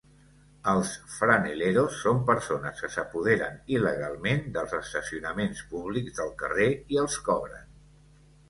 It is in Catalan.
Els "franeleros" són persones que s'apoderen il·legalment dels estacionaments públics del carrer i els cobren.